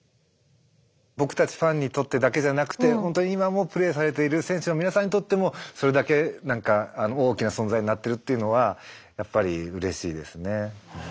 僕たちファンにとってだけじゃなくてほんとに今もプレーされている選手の皆さんにとってもそれだけ大きな存在になってるっていうのはやっぱりうれしいですね。